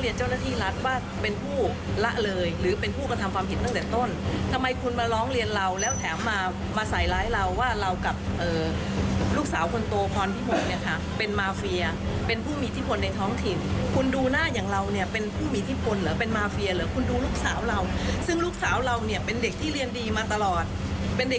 เรียนเจ้าหน้าที่รัฐว่าเป็นผู้ละเลยหรือเป็นผู้กระทำความผิดตั้งแต่ต้นทำไมคุณมาร้องเรียนเราแล้วแถมมามาใส่ร้ายเราว่าเรากับลูกสาวคนโตพรที่๖เนี่ยค่ะเป็นมาเฟียเป็นผู้มีอิทธิพลในท้องถิ่นคุณดูหน้าอย่างเราเนี่ยเป็นผู้มีอิทธิพลเหรอเป็นมาเฟียหรือคุณดูลูกสาวเราซึ่งลูกสาวเราเนี่ยเป็นเด็กที่เรียนดีมาตลอดเป็นเด็ก